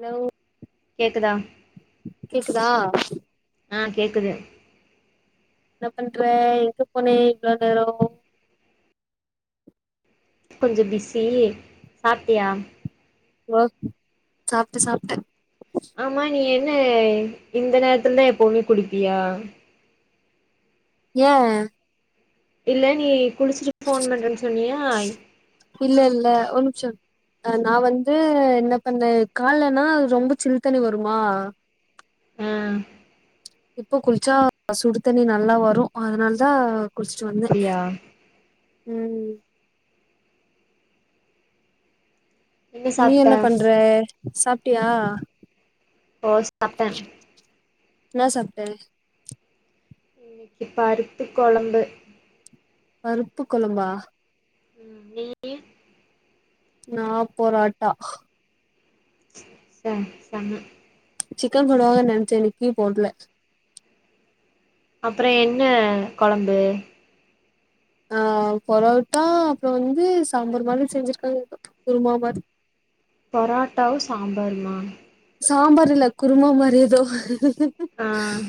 hello கேக்குதா கேக்குதா ஆ கேக்குது என்ன பண்ற எங்க போனே இவ்ளோ நேரோ கொஞ்ச பிஸி சாப்ட்டியா ஓ சாப்ட்ட சாப்ட்டே ஆமா நீ என்ன இந்த நேரத்துல தா எப்பவ்மே குளிப்பியா ஏ இல்ல நீ குளிச்சிட்டு ஃபோன் பண்றேன் சொன்னியா இல்ல இல்ல ஒர் நிம்ஷோ அ நா வந்து என்ன பண்ணே கால்லனா அது ரொம்ப சில் தண்ணி வருமா ம் இப்போ குளிச்சா சுடு தண்ணி நல்லா வரு அதனால தா குளிச்சுட்டு வந்தே அப்டியா ம் நீ என்ன பண்றே சாப்ட்டியா ஓ சாப்ட்டே இன்னா சாப்ட்ட பருப்பு கொழம்பு பருப்பு கொழம்பா ம் நீயு நா பொராட்டா சரி சரி சிக்கன் போடுவாங்க நெனைச்சே இன்னைக்கு போட்ல அப்றோ என்ன கொழம்பு ஆ பொரோட்டா அப்றோ வந்து சாம்பார் மாரி செஞ்சுருக்கா [inaudible] குருமா மாரி பொராட்டாவு சாம்பாருமா சாம்பாரு இல்ல குருமா மாரி எதோ ம்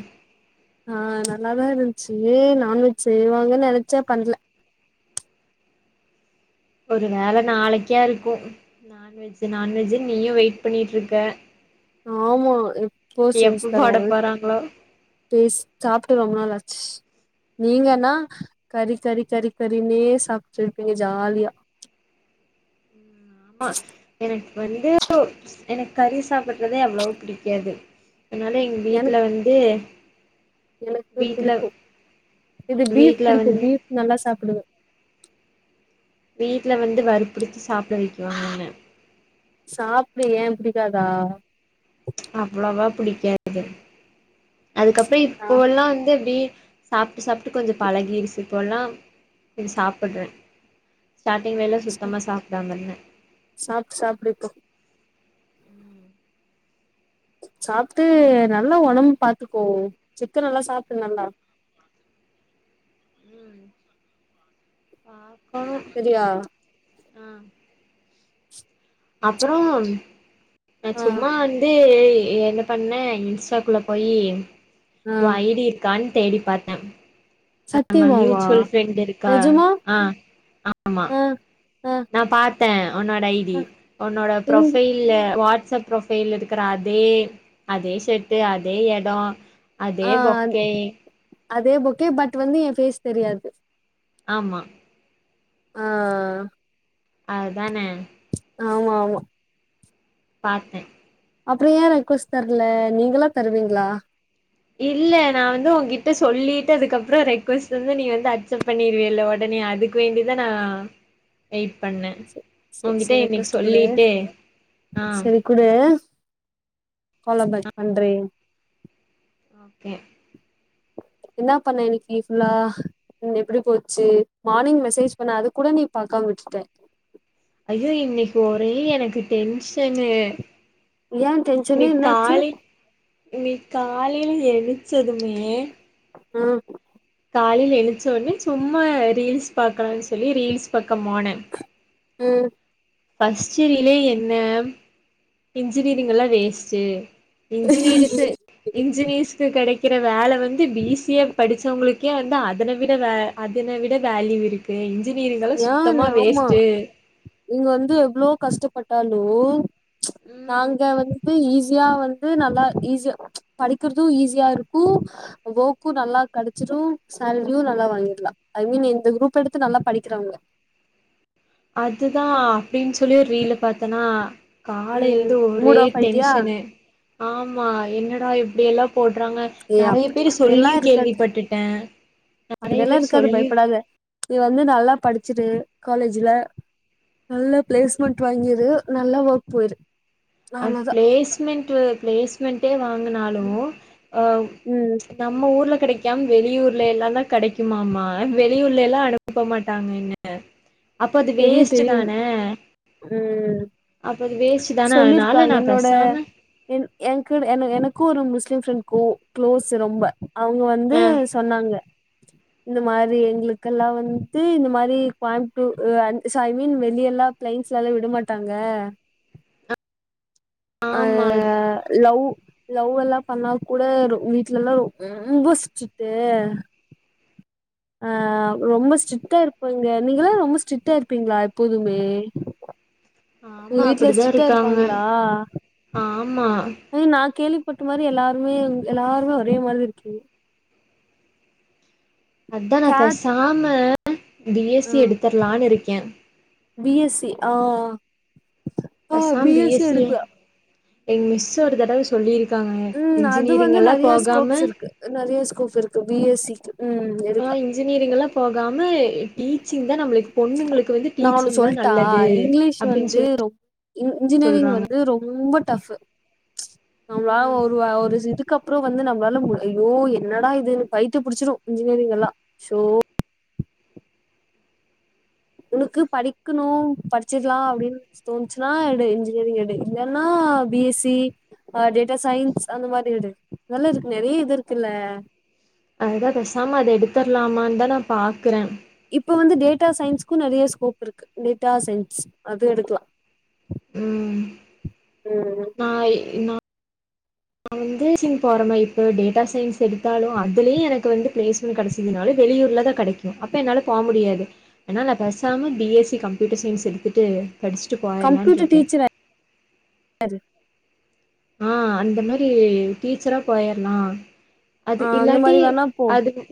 ஆ நல்லாதா இருந்ச்சு நான்வெஜ்ஜு செய்வாங்கன்னு நெனைச்சே பண்ல ஒரு வேல நாளைக்கா இருக்கு நான்வெஜூ நான்வெஜ்ஜு நீயு வெயிட் பண்ணிட்ருக்க ஆமா எப்போ செஞ்சு எப்ப தர [inaudible] போட போறாங்களோ பேஸ் சாப்ட்டு ரொம்ப நாள் ஆச்சு ம் நீங்கன்னா கறி கறி கறி கறினே சாப்ட்டு இருப்பீங்க ஜாலியா [inaudible] எனக்கு வந்து எனக்கு கறி சாப்புட்றதே அவ்ளவா புடிக்காது அனால எங்க எனக்கு வீட்ல வந்து எனக்கு வீட்ல புடிக்கு இது பீஃப் வீட்ல புடிக்கு வந்து பீஃப் நல்லா சாப்டுவே வீட்ல வந்து வற்புறுத்தி சாப்ட வைக்குவாங்க என்ன சாப்டு ஏன் புடிக்காதா அவ்ளவா புடிக்காது அதுக்கப்றோ ஆ இப்போல்லா வந்து அப்டியே சாப்ட்டு சாப்ட்டு கொஞ்சோ பழகிடுச்சு இப்போலா இது சாப்புட்றே ஸ்டார்டிங் வேல சுத்தமா சாப்டாமருந்தே சாப்டு சாப்டு இப்போ ம் சாப்ட்டு நல்லா ஒடம் பாத்துக்கோ சிக்கன் எல்லா சாப்டு நல்லா ம் [unintelligible] சரியா ம் அப்பறோ நா ஆ சும்மா வந்து ஏ என்ன பண்ணே இன்ஸ்டாக்குள்ள போயி ஆ ஓ ஐடி இருக்கான் தேடி பாத்தே நாம சத்தியமாவா மியூச்சுவல் ஃபிரெண்ட் இருக்கா நெஜமா ஆ ஆமா ஆ ஆ நா பாத்தே உன்னோட ஐடி ஆ உன்னோட இருந்து ப்ரோஃபைல்ல வாட்ஸப் ப்ரொஃபைல் இருக்குற அதே அதே ஷட்டு அதே எடோ ஆ அதே பொக்கே அதே புக்கே பட் வந்து ஏன் ஃபேஸ் தெரியாது ஆமா ஆ அத் தான ஆமா ஆமா பாத்தே அப்புறோ ஏ ரெக்வஸ்ட் தர்ல நீங்களா தர்விங்ளா இல்ல நா வந்து உங்க்கிட்ட சொல்லிட்டு அதுக்கப்புறோ ரெக்வஸ்ட் வந்து நீ வந்து அக்செப்ட் பண்ணிருவேல்ல உடனே அதுக் வேண்டிதானா வெய்ட் பண்ணே செரி உங்கிட்ட செரி இன்னைக்கி ரெக்வஸ்ட் குடு சொல்லிட்டு ஆ செரி குடு கோலபத் பண்றிங் ஓகே என்ன பண்ண இன்னைக்கி ஃபுல்லா ம் எப்டி போச்சு மார்னிங் மெசேஜ் பண்ண அது கூட நீ பாக்காம விட்டுட்ட அயோ இன்னைக் ஒரே எனக்கு டென்ஷனு ஏன் டென்ஷனு நீ என்னாச்சு காலி நீ காலையில எணிச்சதுமே ம் காலைல எழுச்சோனே சும்மா ரீல்ஸ் பாக்கலானு சொல்லி ரீல்ஸ் பக்கோ போனே ம் ஃபஸ்ட்டு ரிலே என்ன இன்ஜினிரிங் எல்லா வேஸ்ட்டு இன்ஜினீரிஸு இன்ஜினியர்ஸ்க்கு கெடைக்கிற வேல வந்து பிசிஏ படிச்சவ்ங்களுக்கே வந்து அதன விட வே அதுன விட வேல்யூ இருக்கு இன்ஜினியரிங்கல்லா ஏன் சுத்தமா ஆமா வேஸ்ட்டு நீங்க வந்து எவ்ளோ கஷ்டப்பட்டாலு நாங்க வந்து ஈஸியா வந் து நல்லா ஈஸியா படிக்கிறது ஈஸியா இருக்கு ஒர்க்கு நல்லா கிடச்சிடு செலரியு நல்லா வாங்கிட்லா ஐ மீன் இந்த குரூப் எடுத்து நல்லா படி த்றாங்க அதுதா அப்டின் சொல்லி ஒரு ரீலு பாத்தனா ம் காலையிலந்து ஒரே மூட் ஆஃப் ஆயிட்டியா டென்ஷனு ஆமா என்னடா இப்டியெல்லா போடுறாங்க ஏ நறைய அப்டி பேரு அப்டியெல்லா சொல்லியு கேள்வி பட்டுட்டே அப்டி எல்லா இருக்காது பயப்படாத நீ வந்து நல்லா படிச்சுரு காலேஜ்ல நல்ல பிளேஸ்மெண்டட் வாங்கிரு நல்ல ஒர்க் போயிரு அ அவ்ளோதா பிளேஸ்மெண்ட்டு பிளேஸ்மெண்டே வாங்கினாலு ம் நம்ம ஊர்ல கெடைக்காம் வெளியூர்ல எல்லாதா கெடைக்குமாமா வெளியூர்ல எல்லா அனுப்ப மாட்டாங்க என்ன அப்போ அது தெரியு வேஸ்ட்ட் தெரியு தான ம் அப்ப அது வேஸ்ட் தான் சொல்லிருக்கா என்னோட என் என்கு எனக்கு ஒரு முஸ்லீம் ஃப்ரெண்ட் கோ க்ளோஸ் ரொம்ப அவ்ங்க வந்து அ சொன்னாங்க இந்த மாரி எங்களுக்கெல்லா வந்துடு இந்த மாரி கோய்ம்புத்தூர் அஞ்சு சாய்மீன் வெளிய எல்லா பிளைன்ஸ்லால்ல விடமாட்டாங்க அ ஆமா லவ் லவ் எல்லா பண்ணாக்குட ரொ வீட்ல எல்லா ரொம்ப ஸ்டிட்டு ஆ ரொம்ப ஸ்ட்ரிக்டா இருக்கு இங்க நீங்களா ரொம்ப ஸ்ட்ரிக்டா இருப்பிங்ளா எப்போதுமே உங்க ஆமா வீட்ல அப்டிதா ஸ்ட்ரிக்டா இருக்காங்க இருப்பாங்களா ஆமா நீ நா கேள்விப்பட்ட மாரி எல்லாருமே எல்லாருமே ஒரே மாரி இருக்கீங்க அதா நா கேட் பேசாம ஆ பிஎஸ்சி எடுத்தரலான்னு இருக்கே பி எஸ் சி ஆ பி எஸ் சி எடுக்கலா எங்க மிஸ் ஒரு தடவ சொல்லியிருக்காங்கங்க இன்ஜினியரிங் எல்லா போகாம நெறையா ஸ்கோப் இருக்கு பி எஸ் சிக்கு ம் ஆ எடுக்கலா இன்ஜினியரிங் எல்லா போகாம டீச்சிங்தா நம்மளுக்கு பொண்ணுங்களுக்கு வந்து நா ஒன்னு டீச்சிங்தா சொல்ட்டா நல்லது இங்கிலீஷ் அப்டின் வந்து சொல்லி ரொம் இன்ஜினியரிங் சொல்றாங்க வந்து ரொம்ப டஃப் நம்மளா ம் ஒரு ஒரு இது க்கப்றோ வந்து நம்மளால மு அய்யோ என்னடா இதுன் பயித்தியோ புடிச்சிடு இன்ஜினியரிங் எல்லா சோ உனக்கு படிக்கணு படிச்சிடலா அப்டின்னு தோணுச்சுனா எடு இன்ஜினியரிங் எடு இல்லனா பி எஸ் சி ஆ டேட்டா சயின்ஸ் அந்த மாரி எடு நல்லா இருக்கு நெறையா இது இருக்கல்ல அதுதா பேசாம அத எடுத்தர்லாமான்னுதா நா பாக்குற இப்ப வந்து டேட்டா சயின்ஸ்க்கு நெறையா ஸ்கோப் இருக்கு டேட்டா சயின்ஸ் அது எடுக்கலா ம் நாயி நா வந்து டீச்சிங் போறனா இப்ப டேட்டா சயின்ஸ் எடுத்தாலு அதுலயே எனக்கு வந்து பிளேஸ்மெண்ட் கெடைச்சுந்தாலு வெளியூர்லதா கெடை க்கு அப்போ என்னால போ முடியாது அதுனால நா பேசாம B S C computer science எடுத்துட்டு படிச்சிட்டு போ கம்ப்யூட்டர் டிச்சர் ஆயிரு ஆ அந்த மாரி டீச்சரா போயர்லா ஆ அந்த மாரி வேணா போ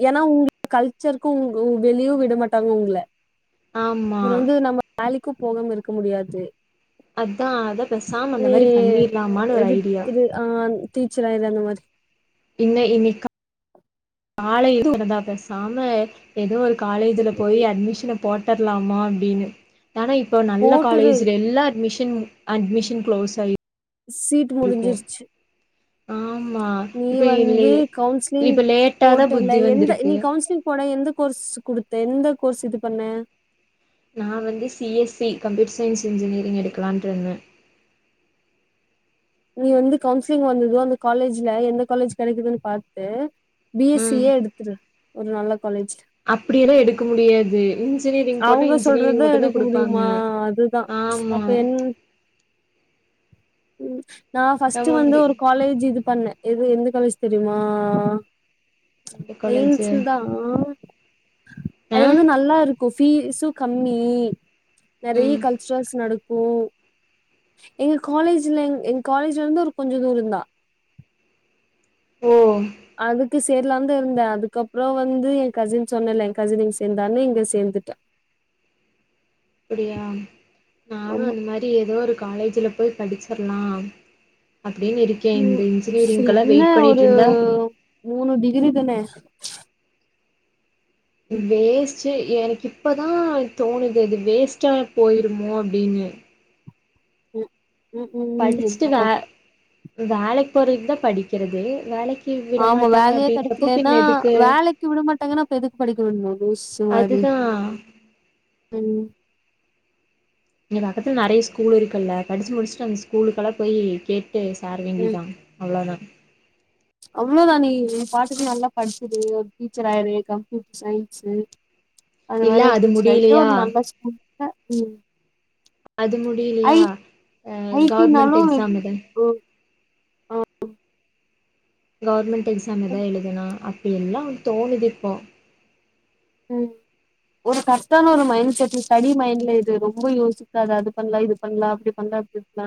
எ னா உங்க கல்ச்சர்க்கு வெளியு விட மாட்டாங்க உங்கல ஆமா இவரு வந்து நம்ம வேலைக்கு போகாம இருக்க முடியாது அதா அதா பேசாம அந்த நீ மாரி பண்ணிர்லாமான்னு ஒரு ஐடியா எடுத்துரு ஆ டீச்சர் ஆயிரு அந்த மாரி இன்ன இன்னிக்க கா கால எத்தரதா பேசாம எதோ ஒரு காலேஜ்ல போய் அட்மிஷன போட்டர்லாமா அப்டின்னு ஆனா இப்ப நல்ல போட்டுரு காலேஜ்ல எல்லா அட்மிஷன் அட்மிஷன் க்ளோஸ் ஆயி சீட்டு இருக்கு முடிஞ்சிருச்சு ஆமா நீ இப்ப வந்து இல்லையே கவுன்சிலிங் இப்ப லேட்டா தா போட்டல்ல புத்தி எந்த வந்திருக்கு நீ கவுன்சிலிங் போட எந்த கோர்ஸ் குடுத்த எந்த கோர்ஸ் இது பண்ண நா வந்து C S C computer science engineering எடுக்கலான்ட்டு இருந்த நீ வந்து கவுன்சிலிங் வந்தது அந்த காலேஜ்ல எந்த காலேஜ் கெடைக்குதுன் பாட்டு பி எஸ் ம் சியே எடுத்துரு ஒரு நல்ல காலேஜ் அப்டியெல்லா எடுக்க முடியாது இன்ஜினியரிங் போட்டா அவங்க இன்ஜினியரிங் மட்டுந்தா குடுப்பாங்க தா ஆமா அப்ப என் ம் நா ஃபர்ஸ்ட்ட் வந்து ஒரு காலேஜ் இது பண்ண எது எந்த காலேஜ் தெரிமா எந்த காலேஜு பேயின்ஸ்ந்தா அது ஆ வந்து நல்லா இருக்கு ஃபீஸ்ம் கம்மி நெறையா ம் கல் ச்சுரல்ஸ் நடக்கு எங்க காலேஜ்ல எங்க காலேஜ்லருந்து ஒரு கொஞ்சோ தூரந்தா ஓ அதுக்கு சேர்லான்தா இருந்த அதுக்கப்றோ வந்து என் கசின் சொன்னல என் கசின் இங்க சேந்தான்னு இங்க சேந்துட்ட அப்டியா நானு ஆமா அந்த மாரி எதோ ஒரு காலேஜ்ல போய் படிச்சிர்லா அப்டின்னு இரு ம் என்ன ஒரு மூணு டிகிரிதன வேஸ் ச்சே எனக்கு இப்பதா தோனுது அது வேஸ்ட்டா போயிருமோ அப்டினு ம் ம் ம் என்ன படுச்சுட்டு வே பண் வேலைக்கு போறதுக்குதா படிக்கிறது வேலைக்கு விட ஆமா மாட்டாங்க வேலயே அப்டின்றப்போ கெடைக்கலன்னா பின்ன எதுக்கு வேலைக்கு விடமாட்டாங்கன்னா அப்ப எதுக்கு படிக்க விடனு லூஸ்சு மாரி அதுதா ம் இங்க பக்கத்ல நெறய ஸ்கூல் இருக்குல்ல படிச்சு முடிச்சுட்டு அந்த ஸ்கூலுக்கெல்லா போய் கேட்டு சேர வேண்டியதுதா அவ்ளதா அவ்வளோதா நீ உ பாட்டுக்கு நல்லா படிச்சுது ஒரு டீச்சர் ஆயிரு கம்ப்யூட்டர் சயின்ஸு அது இல்ல வேற ஒரு டீச்சர் ஆய்ட்டு முடியலையா ஒரு நல்ல ஸ்கூல்ல ம் அது ஐ முடியலையா ஐ டி கவர்மெண்ட் னாலு எக்ஸாம் இதா ஓ ஆ கவர்மெண்ட் எக்ஸாம் எதா எழுதுனா அப்டி எல்லா தோனுது இப்போ உம் ஒரு கரெக்டான ஒரு மைண்ட் செட் ஸ்டடி மைண்ட்ல இது ரொம்ப யோசிக்காத அது பண்லா இது பண்லா அப்டி பண்லா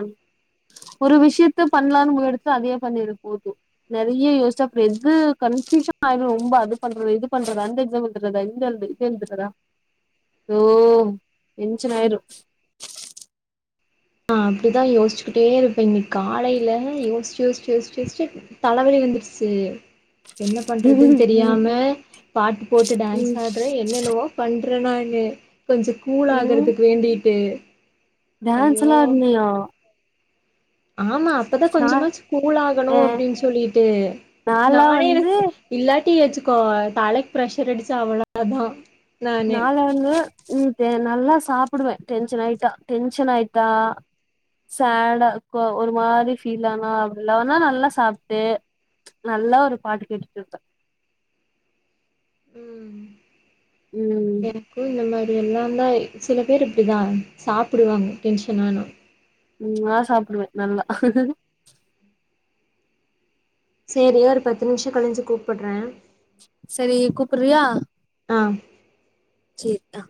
ஒரு விஷயத்த பண்லான் எடுத்தா அதயே பண்ணிரு போது நெறயா யோச்சா அப்றோ எது கன்பியூஷ ஆயிறு ரொம்ப அது பண்றது இது பண்றது அந்த எக்ஸாம் தா இந்த அ இத வந்துறதா ஓ டென்சாயிரு நா அப்டிதா யோச்சுகிட்டே இருப்பே இன்னைக் காலேயில யோசிச்சட்டு யோசி யோசி யோச்சு தலவலி வந்துருச்சு என்ன பண்ணறதுன் ம் தெரியாம பாட்டு போட்டு டான்ஸ் ம் ஆடுற என்னென்னவோ பண்றேனானு கொஞ்சோ கூல் ம் ஆகுறதுக்கு வேண்டிட்டு டான்ஸ் ஐயோ எல்லா ஆடுனியோ ஆமா அப்பதா நா கொஞ்சமாச்சு கூல் ஆகணு அ அப்டின் சொல்லிட்டு நாலா நானே வந்து எனக்கு இல்லாட்டி வச்சுக்கோ தலைக்கு பிரரெஷர் அடிச்சு அவ்வளோ தா நாளா வந்து உ நல்லா சாப்டுவே டென்ஷன் ஆயிட்டா டென்ஷன் ஆயிட்டா சேடா கோ ஒரு மாரி ஃபீல் ஆனா அப்டில்லானா நல்லா சாப்ட்டு நல்லா ஒரு பாட்டு கேட்டுட்டு இருப்பே உம் ம் ம் இந்த மேரி எல்லாந்தா சில பேர் இப்டி தா சாப்டுவாங்க டென்ஷனானா ம் நா சாப்டுவே நல்லா சேரி ஒரு பத்து நிமிஷோ கழிஞ்சு கூப்புட்றே செரி கூப்புட்றியா ஆ ச் செ ஆ